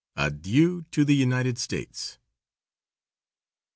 ADIEU TO THE UNITED STATES.